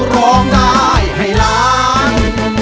ร้องได้ให้ล้าน